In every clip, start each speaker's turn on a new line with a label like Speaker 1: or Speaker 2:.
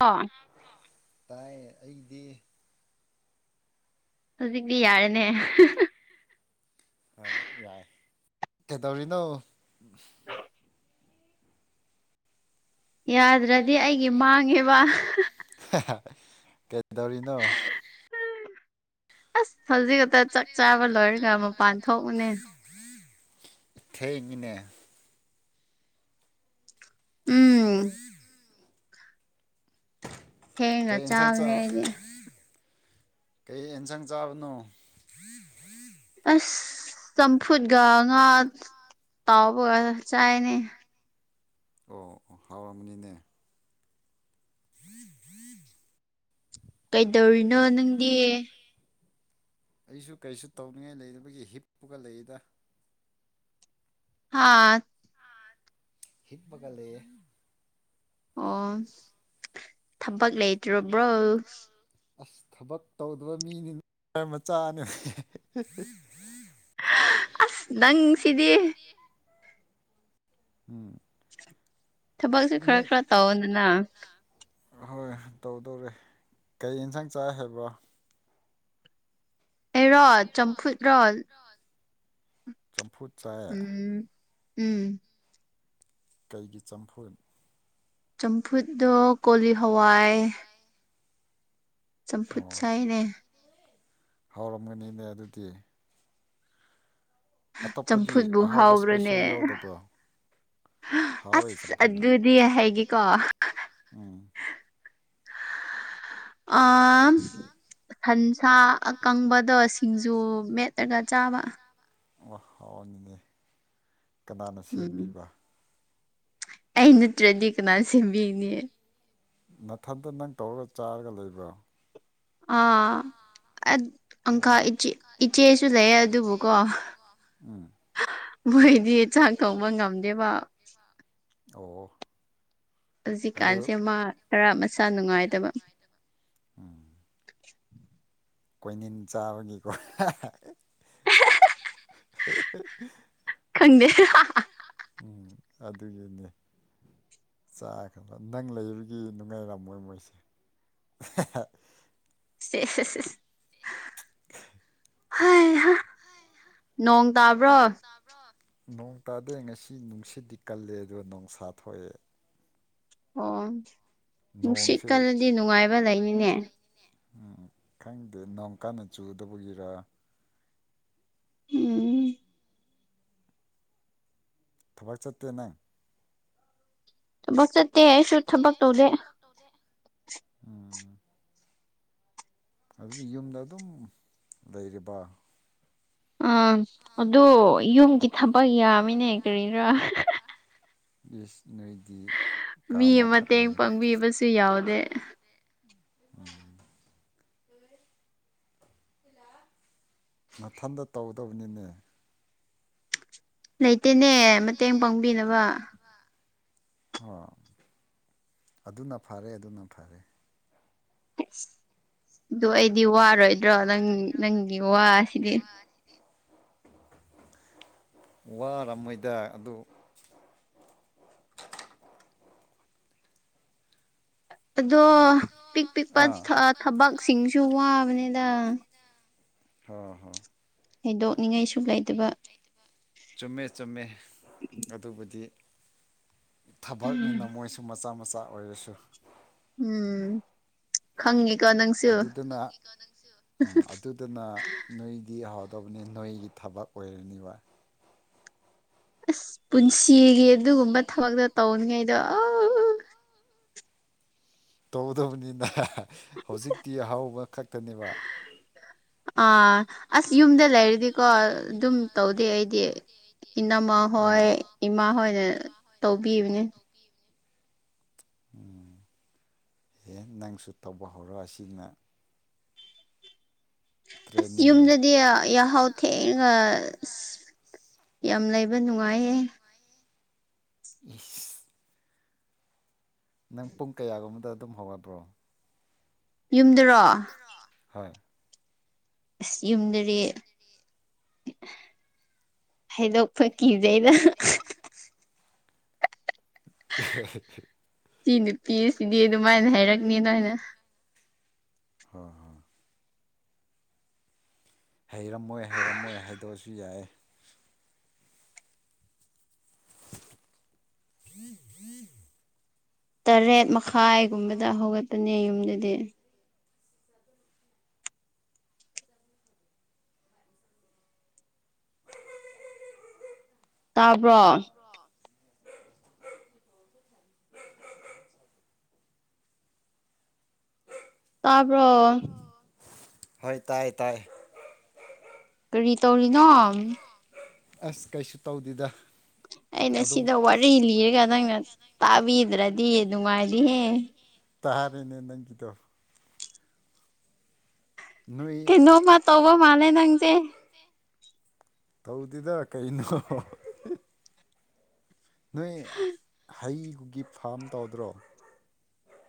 Speaker 1: ꯍ
Speaker 2: ꯇꯥꯏ ꯑꯩꯗꯤ
Speaker 1: ꯍꯧꯖꯤꯛꯇꯤ ꯌꯥꯔꯦꯅꯦ
Speaker 2: ꯍꯣꯏ ꯌꯥꯏ ꯀꯩꯗꯧꯔꯤꯅꯣ
Speaker 1: ꯌꯥꯗ꯭ꯔꯗꯤ ꯑꯩꯒꯤ ꯃꯥꯡꯉꯦꯕ
Speaker 2: ꯀꯩꯗꯧꯔꯤꯅꯣ
Speaker 1: ꯑꯁ ꯍꯧꯖꯤ ꯀ ꯆꯥꯛ ꯆꯥꯕ ꯂꯣꯏꯔ ꯀ ꯑꯃ
Speaker 2: ꯊꯣꯏꯅꯦ
Speaker 1: ꯎꯝ ꯍꯦꯡꯉ
Speaker 2: ꯀꯩ ꯌꯦꯟꯁꯥꯡ ꯆꯥ
Speaker 1: ꯆꯥꯎꯥꯅꯦ ꯑꯩꯗꯤ
Speaker 2: ꯀꯩ ꯑꯦꯟꯁꯥꯡ ꯆꯥꯕꯅꯣ
Speaker 1: ꯑꯁ ꯆꯝꯐꯨꯠꯒ ꯉꯥ ꯇꯥꯎꯕꯒ ꯆꯥꯏꯅꯦ
Speaker 2: ꯑꯣ ꯍꯥꯎꯔꯝꯃꯅꯤꯅꯦ
Speaker 1: ꯀꯩꯗꯧꯔꯤꯅꯣ ꯅꯪꯗꯤ
Speaker 2: ꯑꯩꯁꯨ ꯀꯔꯤꯁꯨ ꯇꯧꯅꯤꯡꯉꯥꯏ ꯂꯩꯒꯤ ꯍꯤꯞꯄꯨꯒ ꯂꯩꯔꯤꯗ
Speaker 1: ꯍꯥꯥ
Speaker 2: ꯍꯤꯠꯕꯒꯂꯦ
Speaker 1: ꯑꯣ ꯊꯕꯛ ꯂꯩꯇ꯭ꯔꯕ꯭ꯔꯣ
Speaker 2: ꯑꯁ ꯊꯕꯛ ꯇꯧꯗꯕ ꯃꯤꯅꯤ ꯃꯆꯥꯅꯦ
Speaker 1: ꯑꯁ ꯅꯪ ꯁꯤꯗꯤ
Speaker 2: ꯎꯝ
Speaker 1: ꯊꯕꯛꯁꯦ ꯈꯔ ꯈꯔ ꯇꯧꯗꯅ
Speaker 2: ꯑꯍꯣꯏ ꯇꯧ ꯇꯧꯔꯦ ꯀꯩ ꯑꯦꯟꯁꯥꯡ ꯆꯥꯏ ꯍꯥꯏꯕ꯭ꯔ
Speaker 1: ꯑꯦ ꯔꯣ ꯆꯝꯐꯨꯠ ꯔꯣꯜ
Speaker 2: ꯆꯝꯐꯨ
Speaker 1: ꯎꯝ ꯎꯝ
Speaker 2: ꯀꯩꯒꯤ ꯆꯝꯐꯨꯜ
Speaker 1: ꯆꯝꯐꯨꯠꯗ ꯀꯣꯜꯂꯤ ꯍꯋꯥꯥꯏ ꯆꯝꯐꯨꯠ ꯁꯥꯏꯅꯦ
Speaker 2: ꯍꯧꯥꯎꯔꯝꯒꯅꯤꯅꯦ ꯑꯗꯨꯗꯤ ꯑꯇꯣꯞꯄꯗꯤ
Speaker 1: ꯆꯝꯐꯨꯠꯕꯨ
Speaker 2: ꯑꯍꯥꯎꯕ
Speaker 1: ꯍꯥꯎꯕ꯭ꯔꯅꯦ
Speaker 2: ꯏꯁꯄꯦꯁꯦꯜ ꯌꯥꯎꯗꯕ꯭ꯔꯥ
Speaker 1: ꯑꯁ ꯑꯗꯨꯗꯤ ꯍꯥꯏꯒꯦꯀꯣ
Speaker 2: ꯎꯝ
Speaker 1: ꯑ ꯁꯟꯁꯥ ꯑꯀꯪꯕꯗꯣ ꯁꯤꯡꯖꯨ ꯃꯦꯠꯇ꯭ꯔꯒ ꯆꯥꯕ
Speaker 2: ꯑ ꯍꯥꯎꯅꯤꯅꯦ ꯀꯅꯥꯅ
Speaker 1: ꯎꯝ
Speaker 2: ꯁꯦꯝꯕꯤꯕ
Speaker 1: ꯑꯩ ꯅꯠꯇ꯭ꯔꯗꯤ ꯀꯅꯥ ꯁꯦꯝꯕꯤꯅꯤ
Speaker 2: ꯃꯊꯟꯇ ꯅꯪ ꯇꯧꯔꯒ ꯆꯥꯔꯒ ꯂꯩꯕ꯭ꯔꯣ
Speaker 1: ꯑꯥ ꯑꯪꯀꯥ
Speaker 2: ꯑꯣ
Speaker 1: ꯏꯆꯦꯁꯨ ꯂꯩ ꯑꯗꯨꯕꯨꯀꯣ
Speaker 2: ꯎꯝ
Speaker 1: ꯃꯣꯏꯗꯤ ꯆꯥꯛ ꯊꯣꯡꯕ ꯉꯝꯗꯦꯕ
Speaker 2: ꯑꯣ ꯑꯗꯨ
Speaker 1: ꯍꯧꯖꯤꯛꯀꯥꯟꯁꯦ ꯃꯥ ꯈꯔꯥ ꯃꯁꯥ ꯅꯨꯡꯉꯥꯏꯇꯕ
Speaker 2: ꯎꯝ
Speaker 1: [unintelligible]
Speaker 2: ꯀꯣꯏꯅꯤꯟ ꯆꯥꯕꯒꯤꯀꯣ [inaudible]
Speaker 1: [inaudible]
Speaker 2: ꯎꯝ ꯑꯗꯨꯒꯤꯅꯦ ꯆꯥꯈ꯭ꯔꯕ ꯅꯪ ꯂꯩꯕꯒꯤ ꯅꯨꯡꯉꯥꯏꯔꯝꯃꯣꯏ ꯃꯣꯏꯁꯦ [inaudible] [inaudible]
Speaker 1: [inaudible]
Speaker 2: [inaudible]
Speaker 1: ꯍꯥꯏ ꯅꯣꯡ ꯇꯥꯕ꯭ꯔꯣ
Speaker 2: ꯅꯣꯡ ꯇꯥꯗꯦ ꯉꯁꯤ ꯅꯨꯡꯁꯤꯠꯗꯤ ꯀꯜꯂꯦ ꯑꯗꯣ ꯅꯣꯡꯁꯥ ꯊꯣꯛꯑꯦ
Speaker 1: ꯑꯣ
Speaker 2: ꯅꯣꯡꯁꯦ
Speaker 1: ꯅꯨꯡꯁꯤꯠꯀꯜꯂꯗꯤ ꯅꯨꯡꯉꯥꯏꯕ ꯂꯩꯅꯤꯅꯦ
Speaker 2: ꯎꯝ ꯈꯪꯗꯦ ꯅꯣꯡ ꯀꯥꯟꯟꯅ ꯆꯨꯗꯕꯒꯤꯔ
Speaker 1: ꯎꯝ
Speaker 2: ꯊꯕꯛ ꯆꯠꯇꯦ ꯅꯪ
Speaker 1: ꯊꯕꯛ ꯆꯠꯇꯦ ꯑꯩꯁꯨ ꯊꯕꯛ ꯇꯧꯗꯦ
Speaker 2: ꯎꯝ ꯑꯗꯨꯗꯤ ꯌꯨꯝꯗ ꯑꯗꯨꯝ ꯂꯩꯔꯤꯕ
Speaker 1: ꯑꯥ ꯑꯗꯨ ꯌꯨꯝꯒꯤ ꯊꯕꯛ ꯌꯥꯝꯃꯤꯅꯦ ꯀꯔꯤꯗꯔꯥ
Speaker 2: [unintelligible]
Speaker 1: ꯃꯤ
Speaker 2: ꯀꯥ ꯃꯈꯥ
Speaker 1: ꯃꯇꯦꯡ
Speaker 2: ꯂꯩ
Speaker 1: ꯄꯥꯡꯕꯤꯕꯁꯨ ꯌꯥꯎꯗꯦ [inaudible]
Speaker 2: ꯃꯊꯟꯗ ꯇꯧꯗꯕꯅꯤꯅꯦ
Speaker 1: ꯂꯩꯇꯦꯅꯦ ꯃꯇꯦꯡ ꯄꯥꯡꯕꯤꯅꯕ
Speaker 2: ꯍ‌ꯣ ꯑꯗꯨꯅ ꯐꯔꯦ ꯑꯗꯨꯅ ꯐꯔꯦ
Speaker 1: ꯊꯁ ꯑꯗꯨ ꯑꯩꯗꯤ ꯋꯥꯔꯣꯏꯗ꯭ꯔꯣ ꯅꯪ ꯅꯪꯒꯤ ꯋꯥꯁꯤꯗꯤ
Speaker 2: ꯋꯥꯔꯝꯃꯣꯏꯗ ꯑꯗꯨ
Speaker 1: [inaudible] ꯑꯗꯣ ꯄꯤꯛ ꯄꯤꯛꯄ
Speaker 2: ꯑꯥ
Speaker 1: ꯊꯕꯛꯁꯤꯡꯁꯨ ꯋꯥꯕꯅꯤꯗ
Speaker 2: ꯍ‌ꯣ ꯍ‌ꯣ
Speaker 1: ꯍꯩꯗꯣꯛꯅꯤꯡꯉꯥꯏ ꯁꯨ ꯂꯩꯇꯕ
Speaker 2: ꯆꯨꯝꯃꯦ ꯆꯨꯝꯃꯦ ꯑꯗꯨꯕꯨꯗꯤ
Speaker 1: ꯎꯝ
Speaker 2: ꯊꯕꯛꯅꯤꯅ ꯃꯣꯏꯁꯨ ꯃꯆꯥ ꯃꯆꯥ ꯑꯣꯏꯔꯁꯨ
Speaker 1: ꯎꯝ ꯈꯪꯉꯤ
Speaker 2: ꯑꯗꯨꯗꯅ ꯎꯝ ꯑꯗꯨꯗꯅ ꯅꯣꯏꯗꯤ ꯇꯕꯨꯅꯤ ꯅꯣꯏꯒꯤ ꯊꯕꯛ ꯑꯣꯏꯔꯅꯤꯕ
Speaker 1: ꯑꯁ ꯄꯨꯟꯁꯤꯒꯤ ꯑꯗꯨꯒꯨꯝꯕ ꯊꯕꯛꯇꯣ ꯇꯧꯅꯤꯉꯩꯗꯣ ꯑ
Speaker 2: ꯇꯧꯒꯗꯕꯅꯤꯅ ꯍꯧꯖꯤꯛꯇꯤ ꯑꯍꯥꯎꯕ ꯈꯛꯇꯅꯦꯕ
Speaker 1: ꯑꯥ ꯑꯁ ꯌꯨꯝꯗ ꯂꯩꯔꯗꯤꯀꯣ ꯑꯗꯨꯝ ꯇꯧꯗꯦ ꯑꯩꯗꯤ ꯏꯅꯃꯥ
Speaker 2: ꯎꯝ
Speaker 1: ꯍꯣꯏ ꯏꯃꯥ ꯍꯣꯏꯅ ꯇꯧꯕꯤꯕꯅꯦ
Speaker 2: ꯎꯝ ꯍꯦ ꯅꯪꯁꯨ ꯇꯧꯕ ꯍꯧꯔꯣ ꯑꯁꯤꯅ
Speaker 1: ꯑꯁ
Speaker 2: ꯇ꯭ꯔꯦꯅꯤꯡꯅꯤ
Speaker 1: ꯌꯨꯝꯗꯗꯤ ꯌꯥꯍꯥꯎ ꯊꯦꯡꯉ ꯑꯁ ꯌꯥꯝ ꯂꯩꯕ ꯅꯨꯡꯉꯥꯏꯌꯦ
Speaker 2: ꯏꯁ ꯅꯪ ꯄꯨꯡ ꯀꯌꯥꯒꯨꯝꯕꯗ ꯑꯗꯨꯝ ꯍꯧꯒꯠꯕ꯭ꯔꯣ
Speaker 1: ꯌꯨꯝꯗꯔꯣ
Speaker 2: ꯍꯣꯏ
Speaker 1: ꯑꯁ ꯌꯨꯝꯗꯗꯤ ꯍꯥꯏꯗꯣꯛꯄ ꯀꯤꯖꯩꯗ
Speaker 2: [inaudible]
Speaker 1: ꯁꯤ ꯅꯨꯄꯤꯁꯤꯗꯤ ꯑꯗꯨꯃꯥꯏꯅ ꯍꯥꯏꯔꯛꯅꯤ ꯅ‌ꯪꯅ
Speaker 2: ꯍꯣꯏ ꯍꯣꯏ ꯍꯩꯔꯝꯃꯣꯏ ꯍꯩꯔꯝꯃꯣꯏ ꯍꯥꯏꯗꯣꯛꯑꯁꯨ ꯌꯥꯏ [inaudible]
Speaker 1: ꯇꯔꯦꯠ ꯃꯈꯥꯏꯒꯨꯝꯕꯗ ꯍꯧꯒꯠꯄꯅꯦ ꯌꯨꯝꯗꯗꯤ ꯇꯥꯕ꯭ꯔꯣ ꯇꯥꯕ꯭ꯔ‌ꯣ
Speaker 2: ꯍꯣꯏ ꯇꯥꯏ ꯇꯥꯏ
Speaker 1: ꯀꯔꯤ ꯇꯧꯔꯤꯅꯣ
Speaker 2: ꯑꯁ ꯀꯩꯁꯨ ꯇꯧꯗꯦꯗ
Speaker 1: ꯑꯩꯅ
Speaker 2: ꯑꯗꯨꯝ
Speaker 1: ꯁꯤꯗ ꯋꯥꯔꯤ ꯂꯤꯔꯒ ꯅꯪꯅ ꯇꯥꯕꯤꯗ꯭ꯔꯗꯤ ꯅꯨꯡꯉꯥꯏꯗꯤꯍꯦ
Speaker 2: ꯇꯥꯔꯤꯅꯤ ꯅꯪꯒꯤꯗꯣ ꯅꯣꯏ
Speaker 1: ꯀꯩꯅꯣꯃ ꯇꯧꯕ ꯃꯥꯜꯂ‌ꯦ ꯅꯪꯖꯦ
Speaker 2: ꯇꯤꯗ ꯀꯩꯅ‌ꯣ ꯅꯣꯏ ꯍꯩꯒꯤ ꯐꯥꯝ ꯇꯧꯗ꯭ꯔꯣ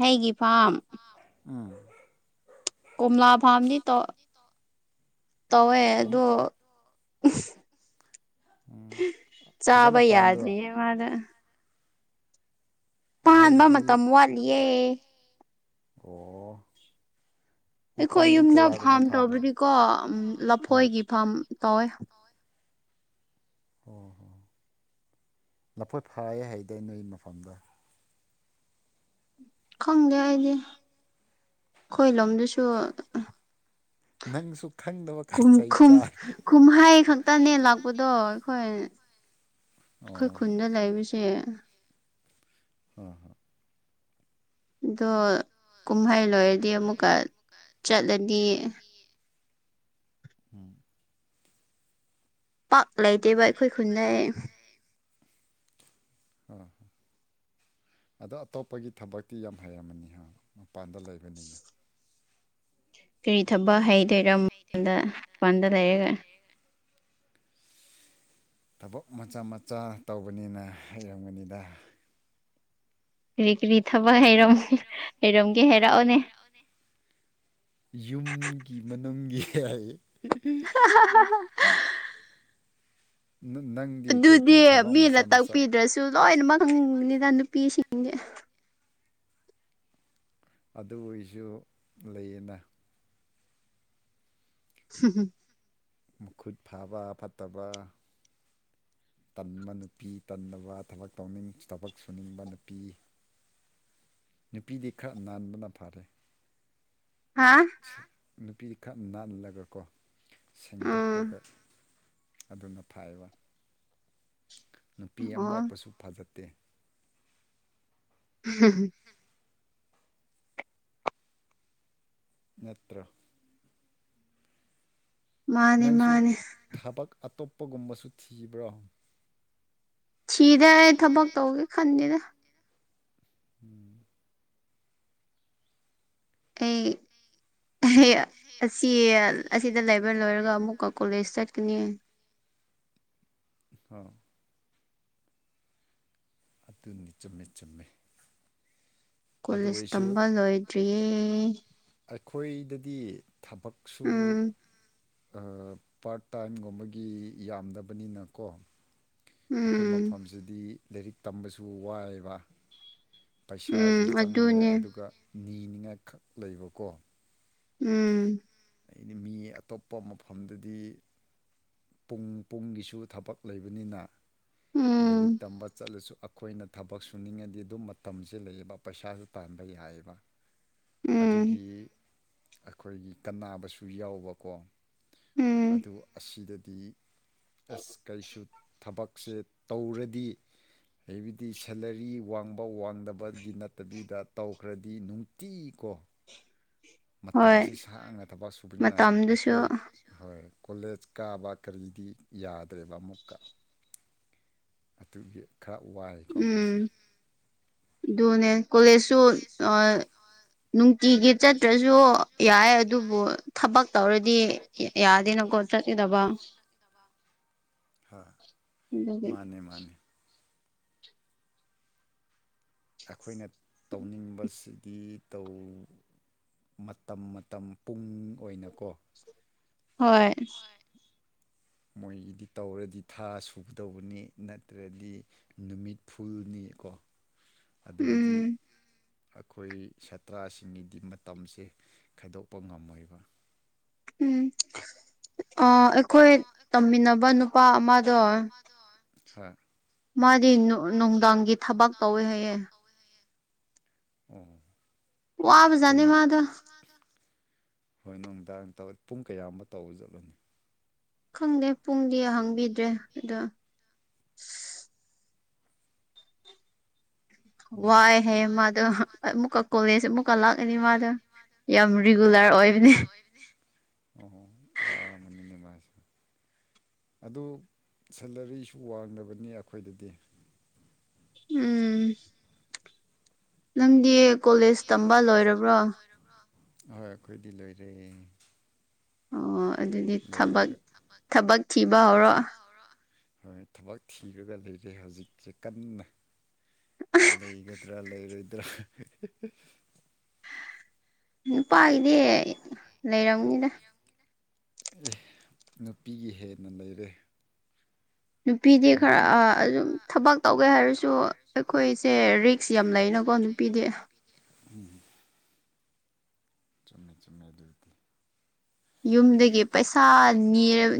Speaker 1: ꯍꯩꯒꯤ ꯐꯥꯝ
Speaker 2: ꯎꯝ
Speaker 1: ꯀꯣꯝꯂꯥ ꯐꯥꯔꯝꯗꯤ ꯇꯧ ꯇꯧꯋꯦ ꯑꯗ
Speaker 2: ꯎꯝ
Speaker 1: ꯆꯥꯕ
Speaker 2: ꯐꯖꯅ ꯄꯥꯟꯗ꯭ꯔꯣ
Speaker 1: ꯌꯥꯗ ꯃꯥꯅ ꯇꯥꯟꯕ
Speaker 2: ꯍꯥꯏꯕꯗꯤ
Speaker 1: ꯃꯇꯝ ꯋꯥꯠꯂꯤꯌꯦ
Speaker 2: ꯑꯣ ꯎ
Speaker 1: ꯑꯩꯈꯣꯏ
Speaker 2: ꯄꯥꯝꯕꯤ
Speaker 1: ꯌꯨꯝꯗ
Speaker 2: ꯀꯌꯥꯒꯨꯝꯕ
Speaker 1: ꯐꯥꯔꯝ
Speaker 2: ꯊꯥꯕ꯭ꯔꯣ
Speaker 1: ꯇꯧꯕꯗꯤꯀꯣ
Speaker 2: ꯍꯣꯏ
Speaker 1: ꯂꯐꯣꯏꯒꯤ ꯐꯥꯔꯝ ꯇꯧꯋꯦ
Speaker 2: ꯑꯣꯣꯏ ꯍꯣ ꯂꯐꯣꯏ ꯐꯥ ꯍꯥꯏꯗꯤ ꯅꯣꯏ ꯃꯐꯝꯗ
Speaker 1: ꯈꯪꯗꯦ ꯑꯩꯗꯤ ꯑꯩꯈꯣꯏ ꯂꯣꯝꯗꯨꯁꯨ
Speaker 2: ꯅꯪꯁꯨꯄ
Speaker 1: ꯨꯝ ꯀꯨꯝꯍꯥꯏ ꯈꯛꯇꯅꯦ ꯂꯥꯛꯄꯗꯣ ꯑꯩꯈꯣꯏ ꯑꯩꯈꯣꯏ
Speaker 2: ꯑꯣ
Speaker 1: ꯈꯨꯟꯗ ꯂꯩꯕꯁꯦ
Speaker 2: ꯍ ꯍꯣꯏ
Speaker 1: ꯑꯗꯣ ꯀꯨꯝꯍꯩ ꯂꯣꯏꯔꯗꯤ ꯑꯃꯨꯛꯀ ꯆꯠꯂꯗꯤ
Speaker 2: ꯎꯝ
Speaker 1: ꯄꯥꯛ ꯂꯩꯇꯦꯕ ꯑꯩꯈꯣꯏ ꯈꯨꯟꯗ
Speaker 2: ꯍ ꯑꯗꯣ ꯑꯇꯣꯞꯄꯒꯤ ꯊꯕꯛꯇꯤ ꯌꯥꯝ ꯍꯩꯔꯝꯃꯅꯤ ꯃꯄꯥꯟꯗ ꯂꯩꯕꯅꯤꯅ
Speaker 1: ꯀꯔꯤ ꯊꯕꯛ ꯍꯩꯇꯣꯏꯔ ꯃꯗ ꯃꯄꯥꯟꯗ ꯂꯩꯔꯒ
Speaker 2: ꯊꯕꯛ ꯃꯆꯥ ꯃꯆꯥ ꯇꯧꯕꯅꯤꯅ ꯑꯩꯔꯝꯒꯅꯤꯗ
Speaker 1: ꯀ ꯀꯔꯤ ꯊꯕ ꯍꯥꯏꯔꯝ
Speaker 2: ꯌꯨꯝꯒꯤ ꯃꯅꯨꯡꯒꯤ ꯍꯥꯏꯌꯦ
Speaker 1: [inaudible]
Speaker 2: ꯅꯪꯗꯤ
Speaker 1: ꯑꯗꯨꯗꯤ
Speaker 2: ꯀꯩꯀꯩ ꯊꯕꯛ
Speaker 1: ꯃꯤꯅ
Speaker 2: ꯃꯆꯥ ꯃꯆꯥ
Speaker 1: ꯇꯥꯛꯄꯤꯗ꯭ꯔꯁꯨ ꯂꯣꯏꯅꯃꯛ ꯉꯝꯅꯤꯗ ꯅꯨꯄꯤꯁꯤꯡ [unintelligible]
Speaker 2: ꯑꯗꯨ ꯑꯣꯏꯁꯨ ꯂꯩꯌꯦꯅ
Speaker 1: ꯍꯝꯝ
Speaker 2: ꯃꯈꯨꯠ ꯐꯥꯕ ꯐꯠꯇꯕ ꯇꯟꯕ ꯅꯨꯄꯤ ꯇꯟꯅꯕ ꯊꯕꯛ ꯇꯧꯅꯤꯡ ꯊꯕꯛ ꯁꯨꯅꯤꯡꯕ ꯅꯨꯄꯤ ꯅꯨꯄꯤꯗꯤ ꯈꯔ ꯅꯥꯟꯕꯅ ꯐꯔꯦ
Speaker 1: ꯍꯥ
Speaker 2: ꯅꯨꯄꯤ ꯈꯔ ꯅꯥꯜꯂꯒꯀꯣ
Speaker 1: ꯎꯝ
Speaker 2: ꯁꯦꯡꯗꯣꯛꯑꯒ ꯑꯗꯨꯅ ꯐꯩꯕ ꯅꯨꯄꯤ
Speaker 1: ꯑꯣ
Speaker 2: ꯑꯃꯣꯠꯄꯁꯨ ꯐꯖꯠꯦ ꯠꯇꯦ
Speaker 1: ꯍꯝ
Speaker 2: ꯅꯠꯇ꯭ꯔ
Speaker 1: ꯃꯥꯅꯦ
Speaker 2: ꯅꯪꯁꯨ
Speaker 1: ꯃꯥꯅꯦ
Speaker 2: ꯊꯕꯛ ꯑꯇꯣꯞꯄꯒꯨꯝꯕꯁꯨ ꯊꯤꯕ꯭ꯔꯣ
Speaker 1: ꯁꯤꯗꯦ ꯑꯩ ꯊꯕꯛ ꯇꯧꯒꯦ ꯈꯟꯗꯦꯗ
Speaker 2: ꯎꯝ
Speaker 1: ꯑꯩ ꯑꯁꯤ ꯑꯁꯤꯗ ꯂꯩꯕ ꯂꯣꯏꯔꯒ ꯑꯃꯨꯛꯀ ꯀꯣꯂꯦꯖ ꯆꯠꯀꯅꯤ
Speaker 2: ꯑ ꯑꯗꯨꯅꯤ ꯆꯝꯃꯦ ꯆꯨꯝꯃꯦ
Speaker 1: ꯀꯨꯜ
Speaker 2: ꯑꯗꯨ
Speaker 1: ꯏꯁ
Speaker 2: ꯑꯣꯏꯔꯁꯨ
Speaker 1: ꯇꯝꯕ ꯂꯣꯏꯗ꯭ꯔꯤꯌꯦ
Speaker 2: ꯑꯩꯈꯣꯏꯗꯗꯤ ꯊꯕꯛꯁꯨ
Speaker 1: ꯎꯝ
Speaker 2: ꯄꯥꯔꯠ ꯇꯥꯏꯝꯒꯨꯝꯕꯒꯤ ꯌꯥꯝꯗꯕꯅꯤꯅꯀꯣ ꯑꯩꯈꯣꯏ
Speaker 1: ꯎꯝ
Speaker 2: ꯃꯐꯝꯁꯤꯗꯤ ꯂꯥꯏꯔꯤꯛ ꯇꯝꯕꯁꯨ ꯋꯥꯏꯑꯕ ꯄꯩꯁꯥꯥꯁ
Speaker 1: ꯎꯝ
Speaker 2: ꯆꯪꯉꯦ
Speaker 1: ꯑꯗꯨꯅꯦ
Speaker 2: ꯑꯗꯨꯒ ꯅꯤꯅꯤꯡꯉꯥꯏꯈꯛ ꯂꯩꯕꯀꯣ
Speaker 1: ꯎꯝ
Speaker 2: ꯍꯥꯏꯗꯤ ꯃꯤ ꯑꯇꯣꯞꯄ ꯃꯐꯝꯗꯗꯤ ꯄꯨꯡ ꯄꯨꯡꯒꯤꯁꯨ ꯊꯕꯛ ꯂꯩꯕꯅꯤꯅ
Speaker 1: ꯎꯝ
Speaker 2: ꯂꯥꯏꯔꯤꯛ ꯇꯝꯕ ꯆꯠꯂꯁꯨ ꯑꯩꯈꯣꯏꯅ ꯊꯕꯛ ꯁꯨꯅꯤꯡꯉꯗꯤ ꯑꯗꯨꯝ ꯃꯇꯝꯁꯦ ꯂꯩꯌꯦꯕ ꯄꯩꯁꯥꯁꯨ ꯇꯥꯟꯕ ꯌꯥꯏꯑꯕ
Speaker 1: ꯎꯝ
Speaker 2: ꯑꯗꯨꯒꯤ ꯑꯩꯈꯣꯏꯒꯤ ꯀꯕꯁꯨ ꯌꯥꯎꯕꯀꯣ
Speaker 1: ꯎꯝ
Speaker 2: ꯑꯗꯨ ꯑꯁꯤꯗꯗꯤ ꯑꯁ ꯀꯔꯤꯁꯨ ꯊꯕꯛꯁꯦ ꯇꯧꯔꯗꯤ ꯍꯥꯏꯕꯗꯤ ꯁꯦꯂꯔꯤ ꯋꯥꯡꯕ ꯋꯥꯡꯗꯕꯒꯤ ꯅꯠꯇꯕꯤꯗ ꯇꯧꯈ꯭ꯔꯗꯤ ꯅꯨꯡꯇꯤ ꯀꯣ
Speaker 1: ꯍꯣꯏ
Speaker 2: ꯃꯇꯝꯁꯦ ꯁꯥꯡꯅ ꯊꯕꯛ ꯁꯨꯕꯅ ꯑꯩꯈꯣꯏ
Speaker 1: ꯃꯇꯝꯗꯨꯁꯨ
Speaker 2: ꯍꯣꯏ ꯀꯣꯂꯦꯖ ꯀꯥꯕ ꯀꯔꯤꯗꯤ ꯌꯥꯗ꯭ꯔꯦꯕ ꯑꯃꯨꯛꯀ ꯑꯗꯨꯒꯤ ꯈꯔ ꯋꯥꯏꯀꯣ ꯑꯩꯈꯣꯏꯁꯦ
Speaker 1: ꯎꯝ ꯑꯗꯨꯅꯦ ꯀꯣꯂꯦꯖꯁꯨ ꯅꯨꯡꯇꯤꯒꯤ ꯆꯠꯇ꯭ꯔꯁꯨ ꯌꯥꯏ ꯑꯗꯨꯕꯨ ꯊꯕꯛ ꯇꯧꯔꯗꯤ ꯌꯥꯗꯦꯅ ꯀ ꯆꯗꯕ
Speaker 2: ꯍ
Speaker 1: ꯂꯩꯗꯤ
Speaker 2: ꯑꯩꯈꯣꯏꯅ ꯇꯧꯅꯤꯡꯕꯁꯤꯗꯤ ꯇꯧ ꯃꯇꯝ ꯃꯇꯝ ꯄꯨꯡ ꯑꯣꯏꯅꯀꯣ
Speaker 1: ꯍꯣꯏ
Speaker 2: ꯃꯣꯏꯒꯤꯗꯤ ꯇꯧꯔꯗꯤ ꯊꯥ ꯁꯨꯒꯗꯧꯕꯅꯤ ꯅꯠꯇ꯭ꯔꯗꯤ ꯅꯨꯃꯤꯠ ꯐꯨꯜꯅꯤ ꯀꯣ ꯑꯗꯨꯕꯨꯗꯤ
Speaker 1: ꯎꯝ
Speaker 2: ꯑꯩꯈꯣꯏ ꯁꯥꯇ꯭ꯔꯁꯤꯡꯒꯤꯗꯤ ꯃꯇꯝꯁꯦ ꯈꯥꯏꯗꯣꯛꯄ ꯉꯝꯃꯣꯏꯕ
Speaker 1: ꯎꯝ ꯑ ꯑꯩꯈꯣꯏ ꯇꯝꯃꯤꯟꯅꯕ ꯅꯨꯄꯥ ꯑꯃꯗꯣ
Speaker 2: ꯍꯥ
Speaker 1: ꯃꯥꯗꯤ ꯅꯨꯡꯗꯥꯡꯒꯤ ꯊꯕꯛ ꯇꯧꯋꯦ ꯍꯥꯏꯌꯦ
Speaker 2: ꯎꯝ
Speaker 1: ꯋꯥꯕ ꯖꯠꯅꯦ ꯃꯥꯗ
Speaker 2: ꯍꯣꯏ ꯅꯨꯡꯗꯥꯡ ꯇ ꯄꯨꯡ ꯀꯌꯥ ꯑꯃ ꯇꯧꯕ ꯆꯠꯂꯨꯅꯤ
Speaker 1: ꯈꯪꯗꯦ ꯄꯨꯡꯗꯤ ꯍꯥꯡꯕꯤꯗ꯭ꯔꯦ ꯑꯗꯣ
Speaker 2: ꯎꯝ
Speaker 1: ꯋꯥꯏ ꯍꯦ ꯃꯥꯗ ꯃꯨꯀꯛꯀꯧꯒꯦꯁꯦ ꯃꯨꯀ ꯂꯥꯛꯀꯅꯤ ꯃꯥꯗ ꯌꯥꯝ ꯔꯤꯒꯨꯂꯔ ꯑꯣꯏꯕꯅꯦ
Speaker 2: ꯑꯣ ꯋꯥꯔꯥ ꯃꯅꯤꯅꯦꯕ ꯑꯗꯨ ꯁꯦꯂꯔꯤꯁꯨ ꯋꯥꯡꯗꯕꯅꯤ ꯑꯩꯈꯣꯏꯗꯗꯤ
Speaker 1: ꯎꯝ ꯅꯪꯗꯤ ꯀꯣꯂꯦꯖ ꯇꯝꯕ ꯂꯣꯏꯔꯕ꯭ꯔꯣ
Speaker 2: ꯍꯣꯏ ꯑꯩꯈꯣꯏꯗꯤ ꯂꯣꯏꯔꯦ
Speaker 1: ꯑꯣ ꯑꯗꯨꯗꯤ ꯊꯕꯛ
Speaker 2: ꯂꯣꯏꯔꯒ
Speaker 1: ꯊꯕꯛ ꯊꯤꯕ ꯍꯧꯔꯣ
Speaker 2: ꯍꯣꯏ ꯊꯕꯛ ꯊꯤꯔꯒ ꯂꯩꯔꯦ ꯍꯧꯖꯤꯛꯁꯦ ꯀꯟꯅ ꯂꯩꯒꯗ꯭ꯔꯥ ꯂꯩꯔ ꯏꯗ꯭ꯔ
Speaker 1: ꯅꯨꯄꯥꯒꯤꯗꯤ ꯂꯩꯔꯝꯅꯤꯅ
Speaker 2: ꯑꯦ ꯅꯨꯄꯤꯒꯤ ꯍꯦꯟꯅ ꯂꯩꯔꯦ
Speaker 1: ꯅꯨꯄꯤꯗꯤ ꯈꯔ
Speaker 2: ꯅꯨꯄꯤ
Speaker 1: ꯑꯗꯨꯝ ꯊꯕꯛ ꯇꯧꯒꯦ ꯍꯥꯏꯔꯁꯨ ꯑꯩꯈꯣꯏꯁꯦ ꯔꯤꯛꯁ ꯌꯥꯝ ꯂꯩꯅꯀꯣ ꯀ ꯅꯨꯄꯤꯗꯦ
Speaker 2: ꯎꯝ ꯆꯨꯝꯃꯦ ꯆꯨꯝꯃꯦ ꯑꯗꯨ ꯑꯣꯏꯗꯤ
Speaker 1: ꯌꯨꯝꯗꯒꯤ ꯄꯩꯁꯥ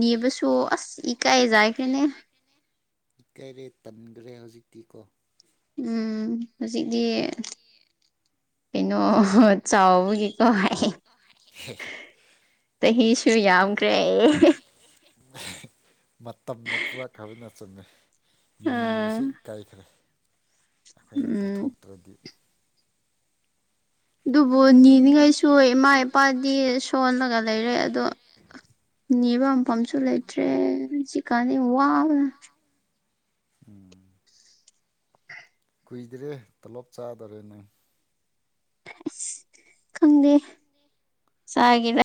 Speaker 1: ꯅꯤꯕꯁꯨ ꯑꯁ ꯏꯀꯥꯏꯖꯥꯏꯈ꯭ꯔꯦꯅꯦ
Speaker 2: ꯀꯥꯏꯔꯦ ꯇꯟꯈ꯭ꯔꯦ ꯍꯧꯖꯤꯛꯇꯤ ꯀꯣ
Speaker 1: ꯎꯝ ꯍꯧꯖꯤꯛꯇꯤ ꯀꯩꯅꯣ ꯆꯥꯎꯥꯎꯕꯒꯤ ꯀꯣ ꯍꯥꯏꯥꯏ ꯆꯍꯤꯁꯨ ꯌꯥꯝꯈ꯭ꯔꯦ
Speaker 2: ꯃꯇꯝꯅ ꯄꯨꯔꯥ ꯈꯕꯅ ꯆꯪꯩ
Speaker 1: ꯑꯥ
Speaker 2: ꯅꯤꯕꯕꯁꯤꯦ ꯏꯀꯥꯏꯈ꯭ꯔꯦ ꯑꯩꯈꯣꯏꯅ
Speaker 1: ꯎꯝ
Speaker 2: ꯄꯨꯊꯣꯛꯇ꯭ꯔꯗꯤ
Speaker 1: ꯑꯗꯨꯕꯨ ꯅꯤꯔꯤꯉꯩꯁꯨ ꯏꯃꯥ ꯏꯄꯥꯗꯤ ꯁꯣꯜꯂꯒ ꯂꯩꯔꯦ ꯑꯗꯣ
Speaker 2: [unintelligible]
Speaker 1: ꯅꯤꯕ ꯃꯝꯐꯝꯁꯨ ꯂꯩꯇ꯭ꯔꯦ ꯍꯧꯖꯤꯛꯀꯥꯟꯗ ꯋꯥꯕꯅ
Speaker 2: ꯎꯝ ꯀꯨꯏꯗ꯭ꯔꯦ ꯇꯂꯣꯞ ꯆꯥꯗꯔꯦ ꯅꯪ
Speaker 1: ꯈꯗꯤ ꯆꯒꯦꯔꯥ